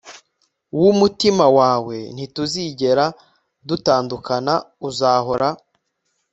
wumutima wawe ntituzigera dutandukana uzahora